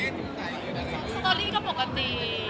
สตอรี่ก็ปกติ